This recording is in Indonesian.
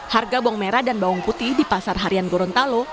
harga bawang merah dan bawang putih di pasar harian gorontalo